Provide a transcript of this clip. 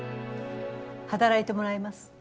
働いてもらいます。